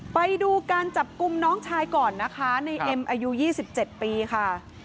ไปดูการจับกลุ่มน้องชายก่อนนะคะในเอ็มอายุ๒๗ปีค่ะ